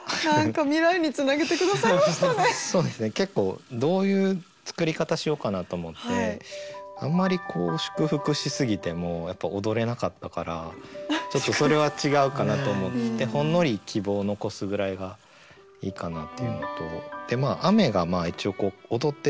そうですね結構どういう作り方しようかなと思ってあんまり祝福しすぎてもやっぱ踊れなかったからちょっとそれは違うかなと思ってほんのり希望を残すぐらいがいいかなっていうのと雨が一応踊ってるわけですもんね。